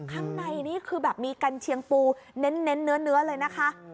ข้างในนี่คือแบบมีกัญเชียงปูเน้นเนื้อเลยนะคะ